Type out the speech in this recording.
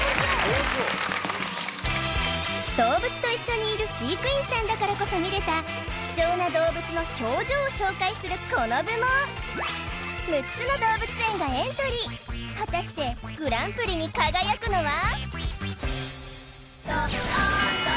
動物と一緒にいる飼育員さんだからこそ見れた貴重な動物の表情を紹介するこの部門果たしてグランプリに輝くのは？